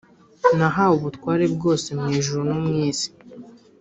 Nahawe ubutware bwose mu ijuru no mu isi